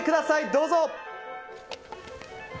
どうぞ！